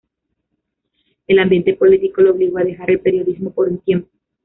El ambiente político lo obligó a dejar el periodismo por un tiempo.